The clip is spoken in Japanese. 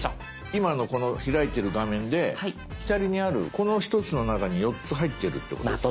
今のこの開いてる画面で左にあるこの１つの中に４つ入ってるってことですか？